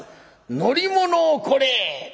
乗り物をこれへ」。